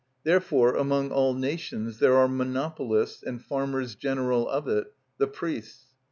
Therefore among all nations there are monopolists and farmers general of it—the priests.